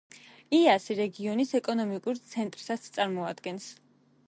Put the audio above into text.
იასი რეგიონის ეკონომიკურ ცენტრსაც წარმოადგენს.